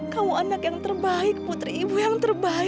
kamu anak yang terbaik putri ibu yang terbaik